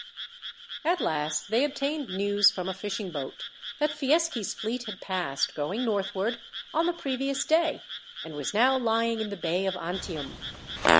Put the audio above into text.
At last, they obtained news from a fishing boat that Fieschi's fleet had passed, going northward, on the previous day, and was now lying in the bay of Antium.